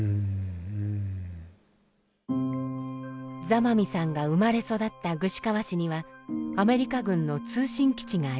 座間味さんが生まれ育った具志川市にはアメリカ軍の通信基地がありました。